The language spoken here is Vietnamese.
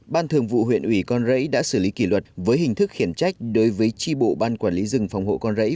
ban thường vụ huyện ủy con rẫy đã xử lý kỷ luật với hình thức khiển trách đối với tri bộ ban quản lý rừng phòng hộ con rẫy